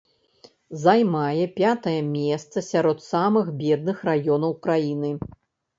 Займае пятае месца сярод самых бедных раёнаў краіны.